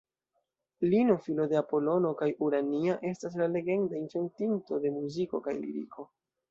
Lino filo de Apolono kaj Urania estas la legenda inventinto de muziko kaj liriko.